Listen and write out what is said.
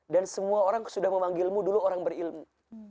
semua orang sudah memanggilmu dulu orang berilmu